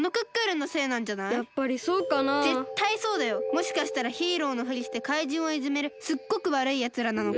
もしかしたらヒーローのフリしてかいじんをいじめるすっごくわるいやつらなのかも。